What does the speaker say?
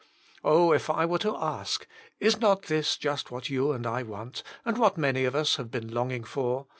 Oh I if I were to ask, I8 not this just what you and I want, and what many of us have been longing for